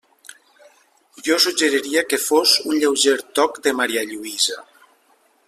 Jo suggeriria que fos un lleuger toc de marialluïsa.